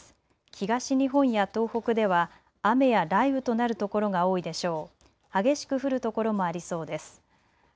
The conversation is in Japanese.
東日本や東北では雨や雷雨となる所が多いでしょう。